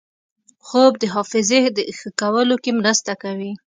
خوب د حافظې ښه کولو کې مرسته کوي